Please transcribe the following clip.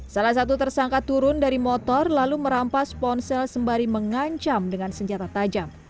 salah satu tersangka turun dari motor lalu merampas ponsel sembari mengancam dengan senjata tajam